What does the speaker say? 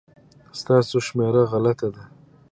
ستاسو شمېره غلطه ده